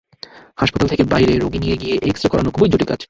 হাসপাতাল থেকে বাইরে রোগী নিয়ে গিয়ে এক্স-রে করানো খুবই জটিল কাজ।